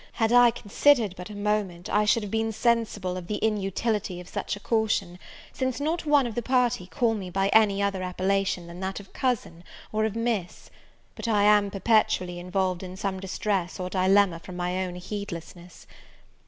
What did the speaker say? Had I considered but a moment, I should have been sensible of the inutility of such a caution, since not one of the party call me by any other appellation than that of Cousin or of Miss; but I am perpetually involved in some distress or dilemma from my own heedlessness.